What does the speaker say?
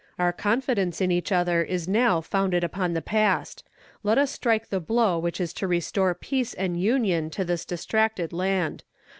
Our confidence in each other is now founded upon the past. Let us strike the blow which is to restore peace and union to this distracted land.